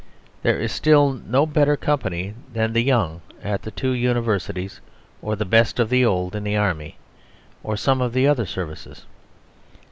There is still no better company than the young at the two Universities, or the best of the old in the Army or some of the other services.